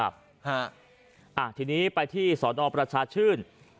ฮะทีนี้ไปที่สอนอประชาชื่น